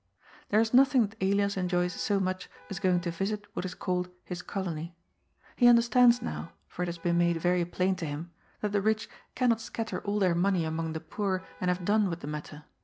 There is nothing that Elias enjoys so much as going to visit what is called his colony. He understands now, for it has been made yery plain to him, that the rich cannot scatter all their money among the poor and have done with the matter.